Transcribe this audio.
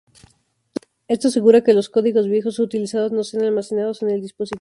Esto asegura que los códigos viejos o utilizados no sean almacenados en el dispositivo.